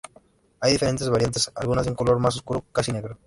Hay diferentes variantes, algunas de un color más oscuro, casi negro.